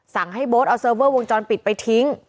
สั่งให้โบ๊ทเอาเซิร์ฟเวอร์วงจรปิดไปทิ้ง